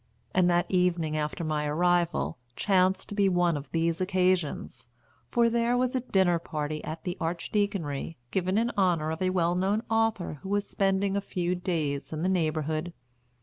And that evening after my arrival chanced to be one of these occasions, for there was a dinner party at the Archdeaconry, given in honour of a well known author who was spending a few days in the neighbourhood.